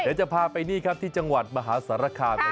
เดี๋ยวจะพาไปนี่ที่จังหวัดมหาศาลคา